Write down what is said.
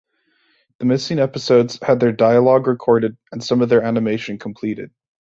The missing episodes had their dialogue recorded and some of their animation completed.